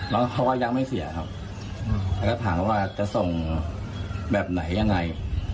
น้องก็บอกว่ายังไม่เสียครับแล้วก็ถามว่าจะส่งแบบไหนยังไง